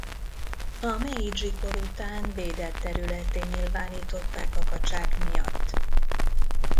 A Meidzsi-kor után védett területté nyilvánították a kacsák miatt.